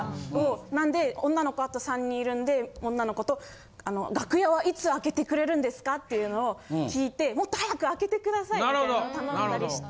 なんで女の子あと３人いるんで女の子と楽屋はいつあけてくれるんですかっていうのを聞いてもっと早くあけてくださいみたいなのを頼んだりして。